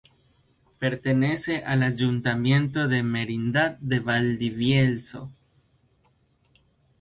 Pertenece al Ayuntamiento de Merindad de Valdivielso.